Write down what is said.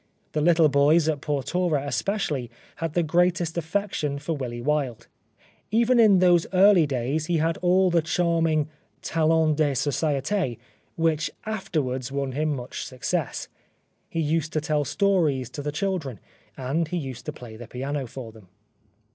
The little boys at Portora, especially, had the greatest affection for Willy Wilde. Even in 109 The Life of Oscar Wilde those early days he had all the charming talents de socidif which afterwards won him much success. He used to tell stories to the children, and he used to play the piano for them.